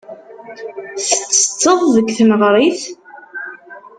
Tettetteḍ deg tneɣrit?